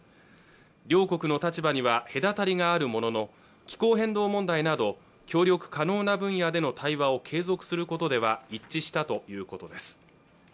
両国の立場には隔たりがあるものの気候変動問題など協力可能な分野での対話を継続することでは一致したということです